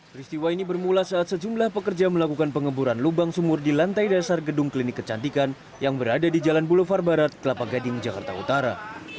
peristiwa ini bermula saat sejumlah pekerja melakukan pengemburan lubang sumur di lantai dasar gedung klinik kecantikan yang berada di jalan boulevar barat kelapa gading jakarta utara